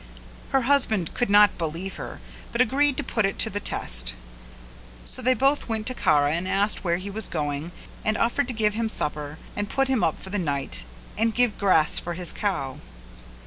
Her husband could not believe her but agreed to put it to the test, so they both went to Kara and asked where he was going and offered to give him supper, and put him up for the night and give grass for his cow.